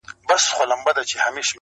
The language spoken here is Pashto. زۀ خداى ساتلمه چي نۀ راپرېوتم او تلمه,